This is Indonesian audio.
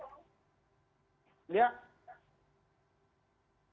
tidak seperti yang pak gembong katakan tadi pak gembong